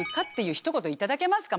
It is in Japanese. ひと言頂けますか？